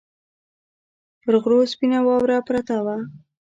پر غرو سپینه واوره پرته وه